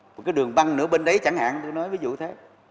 một cái đường băng nữa bên đấy chẳng hạn tôi nói ví dụ thế